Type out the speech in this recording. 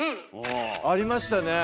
ありましたねえ。